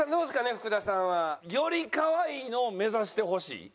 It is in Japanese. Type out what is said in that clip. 福田さんは。よりかわいいのを目指してほしい。